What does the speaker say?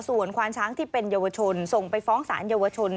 ส่วนควานช้างที่เป็นเยาวชนส่งไปฟ้องสารเยาวชน